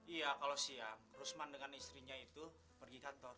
iya kalau siang rusman dengan istrinya itu pergi kantor